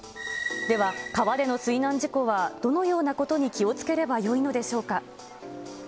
では、川での水難事故はどのようなことに気をつければよいのでしょうか。